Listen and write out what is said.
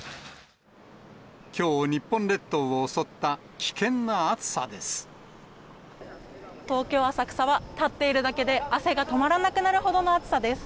きょう、日本列島を襲った危険な東京・浅草は、立っているだけで汗が止まらなくなるほどの暑さです。